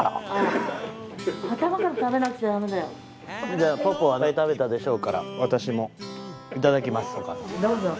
ではポポは食べたでしょうから私もいただきますお母さん。